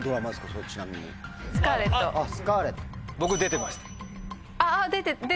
出てました。